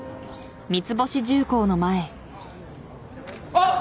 あっ！